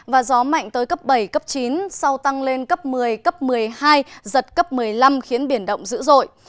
và gió mạnh tới cấp bảy cấp chín sau tăng lên cấp một mươi cấp một mươi hai giật cấp một mươi năm khiến biển động dữ dội